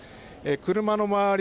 車の周り